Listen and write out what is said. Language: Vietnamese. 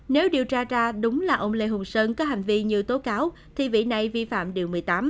nếu điều tra ra đúng là ông lê hùng sơn có hành vi như tố cáo thì vị này vi phạm điều một mươi tám